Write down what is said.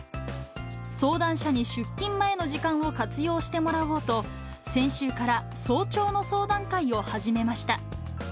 相談者に出勤前の時間を活用してもらおうと、先週から早朝の相談会を始めました。